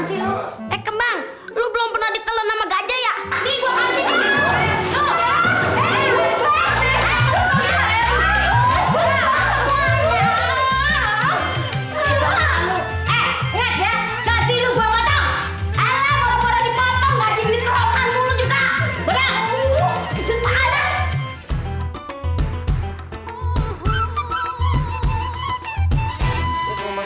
ini bener bener kebangga tuh ya